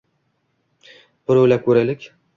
Bir o'ylab ko'raylik...